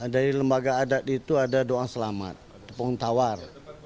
dari lembaga adat itu ada doa selamat tepung tawar